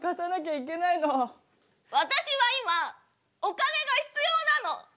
私は今お金が必要なの。